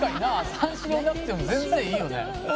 「三四郎いなくても全然いいよね」